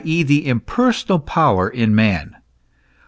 e., the impersonal power in man.